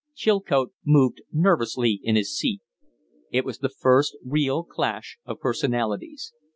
Chilcote moved nervously in his seat. It was the first real clash of personalities.